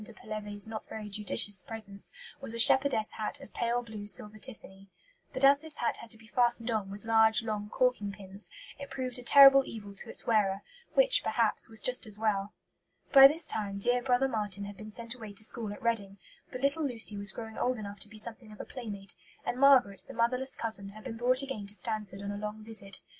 de Pelevé's not very judicious presents was "a shepherdess hat of pale blue silver tiffany." But as this hat had to be fastened on with "large, long corking pins," it proved "a terrible evil" to its wearer; which, perhaps, was just as well! By this time dear brother Marten had been sent away to school at Reading; but little Lucy was growing old enough to be something of a playmate; and Margaret, the motherless cousin, had been brought again to Stanford on a long visit.